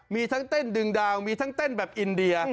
มีทั้งเต้นดึงดาวมีทั้งเต้นแบบอินเดีย